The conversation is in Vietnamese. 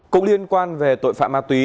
cùng liên quan về tội phạm ma túy